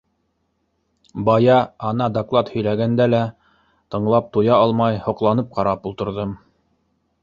Бая, ана доклад һөйләгәнендә лә, тыңлап туя алмай һоҡланып ҡарап ултырҙым.